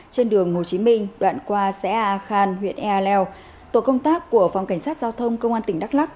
trên đường hồ chí minh đoạn qua xã a khàn huyện eleo tổ công tác của phòng cảnh sát giao thông công an tỉnh đắk lắc